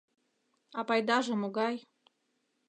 — А пайдаже могай?